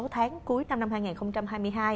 sáu tháng cuối năm năm hai nghìn hai mươi hai